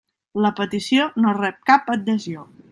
La petició no rep cap adhesió.